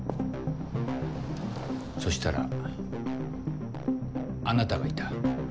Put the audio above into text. そしたらあなたがいた。